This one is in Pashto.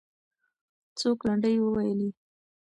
څوک لنډۍ وویلې؟